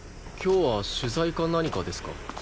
今日は取材か何かですか？